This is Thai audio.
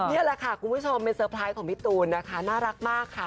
นี่แหละค่ะคุณผู้ชมเป็นเตอร์ไพรส์ของพี่ตูนนะคะน่ารักมากค่ะ